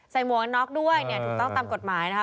ใส่หมวกนอกด้วยถูกต้องตามกฎหมายนะฮะ